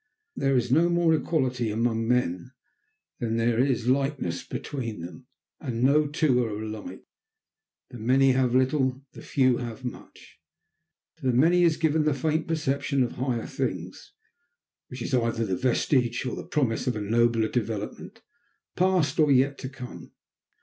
There is no more equality among men than there is likeness between them, and no two are alike. The many have little, the few have much. To the many is given the faint perception of higher things, which is either the vestige, or the promise, of a nobler development, past or yet to come.